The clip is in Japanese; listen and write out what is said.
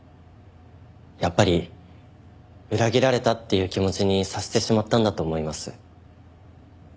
やっぱり裏切られたっていう気持ちにさせてしまったんだと思います。